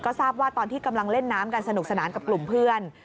ทราบว่าตอนที่กำลังเล่นน้ำกันสนุกสนานกับกลุ่มเพื่อน